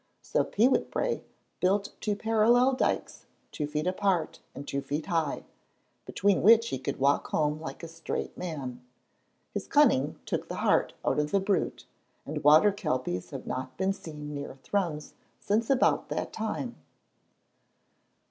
So Peewitbrae built two parallel dykes two feet apart and two feet high, between which he could walk home like a straight man. His cunning took the heart out of the brute, and water kelpies have not been seen near Thrums since about that time.